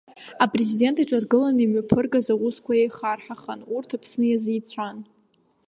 Апрезидент иҿаргыланы имҩаԥыргаз аусқәа еихарҳа-уан, урҭ Аԥсны иазеицәан.